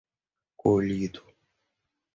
colhido